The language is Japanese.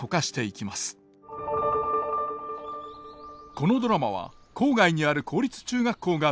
このドラマは郊外にある公立中学校が舞台。